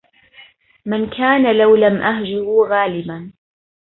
من كان لو لم أهجه غالبا